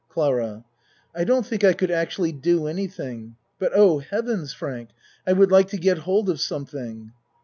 CLARA I don't think I could actually do any thing, but Oh, heavens, Frank, I would like to get hold of something.